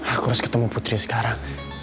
aku harus ketemu putri sekarang